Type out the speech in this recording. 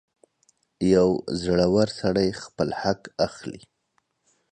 • یو زړور سړی خپل حق اخلي.